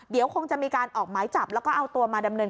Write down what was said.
เดี๋ยวคงจะมีการออกหมายจับแล้วก็เอาตัวมาดำเนิน